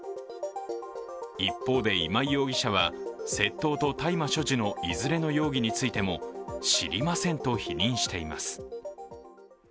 一方で、今井容疑者は窃盗と大麻所持のいずれの容疑についても知りませんと否認しています。